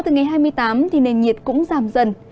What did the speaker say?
ngày hai mươi tám nền nhiệt cũng giảm dần